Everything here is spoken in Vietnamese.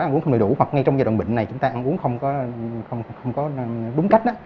ăn uống không đủ hoặc ngay trong giai đoạn bệnh này chúng ta ăn uống không có đúng cách